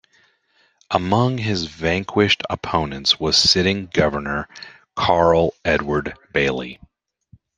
Among his vanquished opponents was sitting Governor Carl Edward Bailey.